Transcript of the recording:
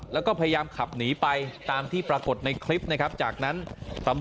แล้วก็พยายามขับหนีไปตามที่ปรากฏในคลิปนะครับจากนั้นตำรวจ